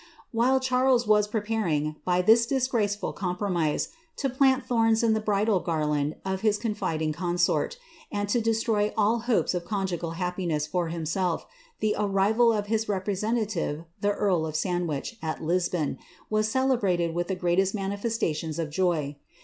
While Charles was preparing, by this disgraceful comprooiiie* to plant thorns in the bridal garland of his confiding consort, and lo destroy all hopes of conjugal happiness for himself, the arrival of hit representative, the earl of Sandwich, at Lisbon, was celebrated with the greatest manifestations of joy.